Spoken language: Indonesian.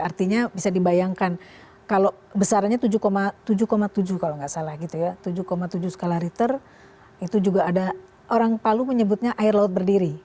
artinya bisa dibayangkan kalau besarannya tujuh tujuh kalau nggak salah gitu ya tujuh tujuh skala riter itu juga ada orang palu menyebutnya air laut berdiri